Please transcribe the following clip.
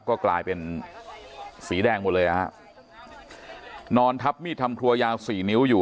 ก็กลายเป็นสีแดงหมดเลยนะฮะนอนทับมีดทำครัวยาวสี่นิ้วอยู่